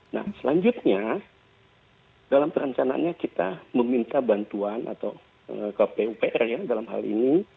nah selanjutnya dalam perencanaannya kita meminta bantuan atau kpupr ya dalam hal ini